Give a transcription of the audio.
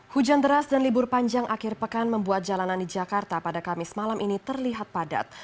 hujan deras dan libur panjang akhir pekan membuat jalanan di jakarta pada kamis malam ini terlihat padat